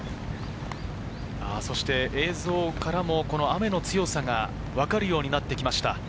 映像からも雨の強さがわかるようになってきました。